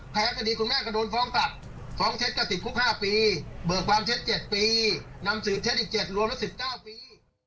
แพ้พอดีคุณแม่ก็โดนฟ้องตัดฟ้องเช็ดก็สิบหกห้าปีเบิกความเช็ด๗ปีนำสืบเช็ดอีก๗รวมแล้ว๑๙ปี